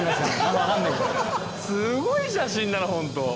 すごい写真だなホント。